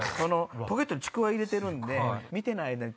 ポケットにちくわ入れてるんで見てない間に。